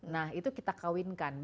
nah itu kita kawinkan